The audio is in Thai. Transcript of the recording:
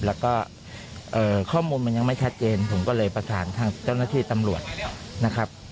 แล้วก็ข้อมูลมันยังไม่ชัดเจนผมก็เลยประสานทางเจ้าหน้าที่ตำรวจนะครับ